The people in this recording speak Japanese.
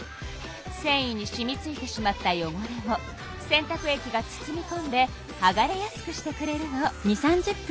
せんいにしみついてしまったよごれを洗たく液が包みこんではがれやすくしてくれるの。